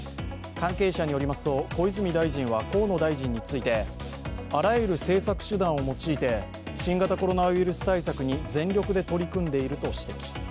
関係者によりますと、小泉大臣は河野大臣についてあらゆる政策手段を用いて新型コロナウイルス対策に全力で取り組んでいると指摘。